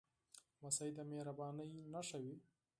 لمسی د مهربانۍ نښه وي.